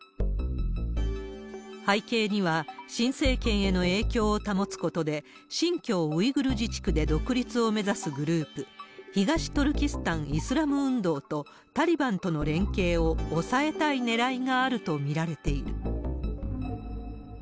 背景には、新政権への影響を保つことで、新疆ウイグル自治区で独立を目指すグループ、東トルキスタン・イスラム運動と、タリバンとの連携を抑えたいねらいがあると見られている。